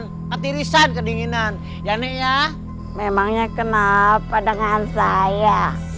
hati hati riset kedinginan ya nek ya memangnya kenapa dengan saya